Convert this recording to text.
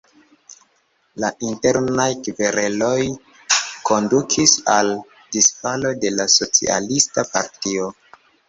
La internaj kvereloj kondukis al disfalo de la socialista partio.